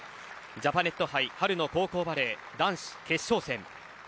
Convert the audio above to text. ジャパネット杯春の高校バレー男子決勝戦